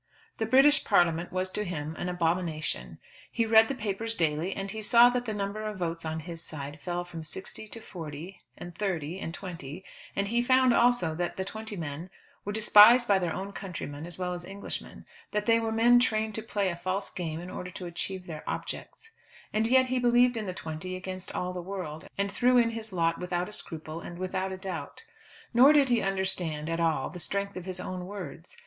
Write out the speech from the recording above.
The British Parliament was to him an abomination. He read the papers daily, and he saw that the number of votes on his side fell from sixty to forty, and thirty, and twenty; and he found also that the twenty were men despised by their own countrymen as well as Englishmen; that they were men trained to play a false game in order to achieve their objects; and yet he believed in the twenty against all the world, and threw in his lot without a scruple and without a doubt. Nor did he understand at all the strength of his own words.